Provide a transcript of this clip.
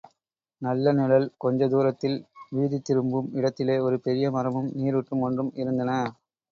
நல்ல நிழல், கொஞ்ச தூரத்தில் வீதி திரும்பும் இடத்திலே ஒரு பெரிய மரமும், நீருற்று ஒன்றும் இருந்தன.